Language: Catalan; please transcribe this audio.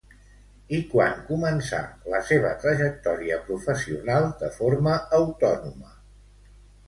I quan començà la seva trajectòria professional de forma autònoma?